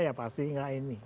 ya pasti nggak ini